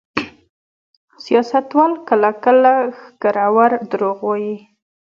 سیاستوال کله کله ښکرور دروغ وايي.